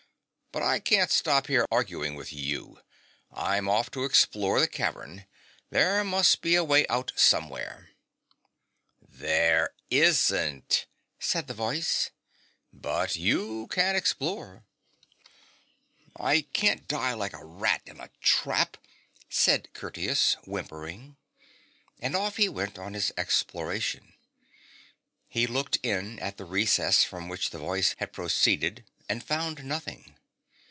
' But I can't stop here arguing with you ; I'm off to explore the cavern. There must be a way out somewhere.' 'There isn't,' said the voice ;' but you can explore.' 9Q THE BOTTOM OF THE GULF ' I can't die like a rat in a trap,' said Curtius, whimpering. And off he went on his explora tion. He looked in at the recess from which the voice had proceeded and found nothing.